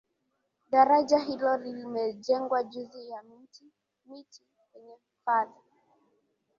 daraja hilo limejengwa juu ya miti kwenye hifadhi